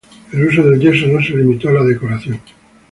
El uso del yeso no se limitó a la decoración.